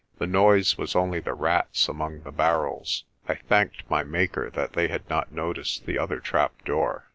"The noise was only the rats among the barrels." I thanked my Maker that they had not noticed the other trap door.